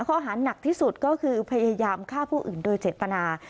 ข้อหาหนักที่สุดก็คือพยายามฆ่าผู้อื่นโดยเจตนา